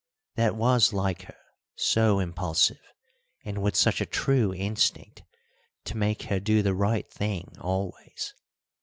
That was like her, so impulsive, and with such a true instinct to make her do the right thing always!